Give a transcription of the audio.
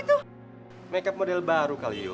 tapi bevorangmu lah ya